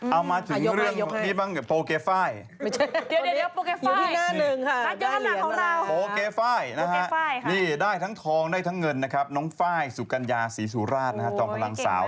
เอามาถึงเรื่องนี้บ้างโปเคไฟล์โปเคไฟล์ได้ทั้งทองได้ทั้งเงินนะครับน้องไฟล์สุกัญญาศรีสุราชจองพลังสาว